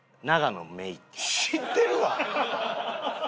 知ってるわ！